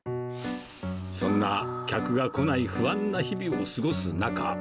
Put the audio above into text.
そんな客が来ない不安な日々を過ごす中。